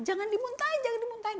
jangan dimuntahin jangan dimuntahin